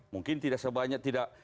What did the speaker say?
mungkin tidak sebanyak tidak